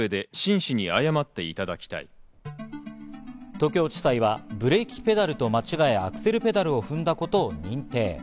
東京地裁はブレーキペダルと間違えアクセルペダルを踏んだことを認定。